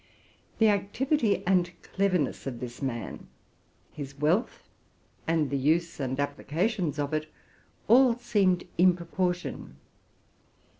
The activity and cleverness of this man, his wealth, and the use and applications of it, all seemed in proportion.